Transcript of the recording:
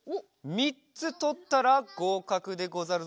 みっつとったらごうかくでござるぞ。